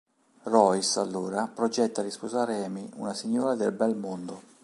Royce, allora, progetta di sposare Amy, una signora del bel mondo.